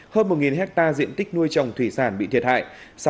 hơn một hectare diện tích nuôi trồng thủy sản bị thiệt hại